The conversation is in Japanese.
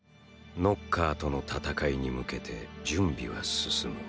ノッカーとの戦いに向けて準備は進む。